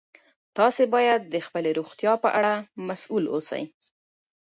تاسي باید د خپلې روغتیا په اړه مسؤل اوسئ.